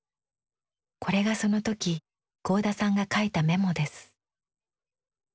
これがその時合田さんが書いたメモです。